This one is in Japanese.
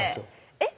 「えっ？